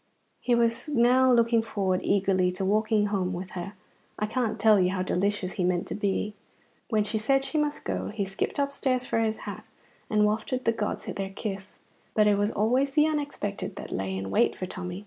He was now looking forward eagerly to walking home with her. I can't tell you how delicious he meant to be. When she said she must go, he skipped upstairs for his hat, and wafted the gods their kiss. But it was always the unexpected that lay in wait for Tommy.